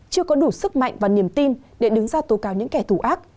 chưa có đủ sức mạnh và niềm tin để đứng ra tố cáo những kẻ thù ác